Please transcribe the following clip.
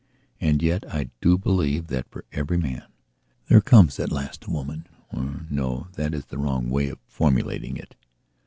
And yet I do believe that for every man there comes at last a womanor no, that is the wrong way of formulating it.